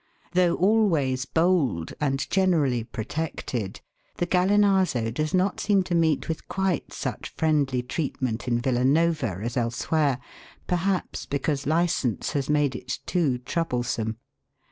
Though always bold, and generally protected, the Gallinazo does not seem to meet with quite such friendly treatment in Villa Nova as elsewhere, perhaps because licence has made it too troublesome.